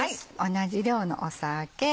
同じ量の酒。